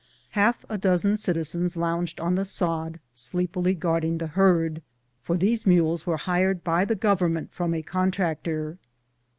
Ilalf a dozen citizens lounged on the sod, sleepily guarding the herd, for these mules were hired by the Government from a contractor.